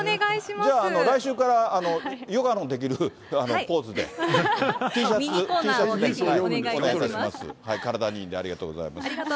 じゃあ、来週から、ヨガのできるポーズで、Ｔシャツ、お願いいたします、体にいいんで、ありがとうございます。